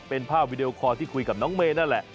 เป็นภาพวิดีโอคอร์ที่คุยกับน้องเมย์นั่นแหละ